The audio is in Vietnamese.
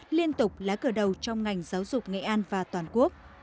liên tục lá cờ đầu trong ngành giáo dục nghệ an và toàn quốc